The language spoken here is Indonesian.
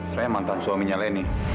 saya mantan suaminya leni